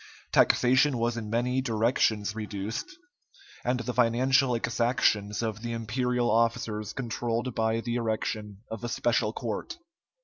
Taxation was in many directions reduced, and the financial exactions of the imperial officers controlled by the erection of a special court.